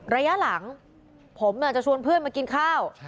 ระยะหลังผมจะชวนเพื่อนมากินข้าว